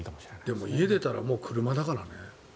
でも家を出たらもう車だからね。